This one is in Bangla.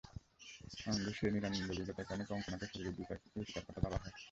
আনন্দের সেই নিরানন্দ অভিজ্ঞতার কারণে কঙ্গনাকে সরিয়ে দীপিকার কথা ভাবা হয়।